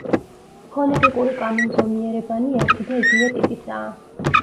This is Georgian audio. ფონეტიკური კანონზომიერებანი ერთი და იგივე ტიპისაა.